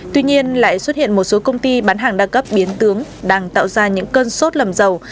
tuy nhiên lại xuất hiện một số công ty bán hàng đa cấp biến tướng đang tạo ra những cơn sốt lầm dầu